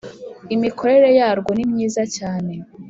imikorere yarwo nimyiza cyane.